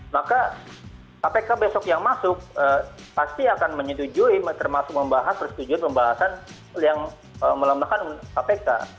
nah kpk besok yang masuk pasti akan menyetujui termasuk membahas terus menyetujui pembahasan yang melembahkan kpk